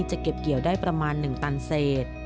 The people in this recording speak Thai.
จะเก็บเกี่ยวได้ประมาณ๑ตันเศษ